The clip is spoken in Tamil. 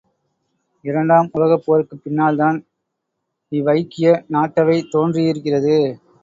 இரண்டாம் உலகப் போருக்குப் பின்னால்தான் இவ்வைக்கிய நாட்டவை தோன்றியிருக்கிறது.